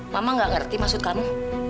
mama gak ngerti maksud kamu